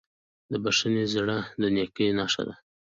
د بښنې زړه د نیکۍ نښه ده.